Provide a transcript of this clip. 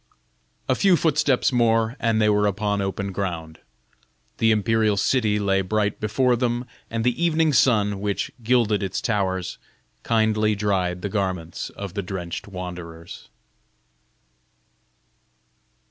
A few footsteps more, and they were upon open ground. The imperial city lay bright before them, and the evening sun, which gilded its towers, kindly dried the garments of the drenched wanderers.